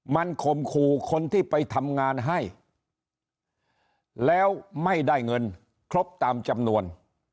มันข่มขู่คนที่ไปทำงานให้แล้วไม่ได้เงินครบตามจำนวน